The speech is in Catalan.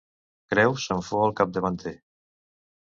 Creus en fou el capdavanter.